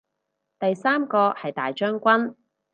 第三個係大將軍